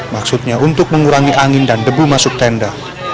maksudnya untuk mengurangi angin dan debu masuk tenda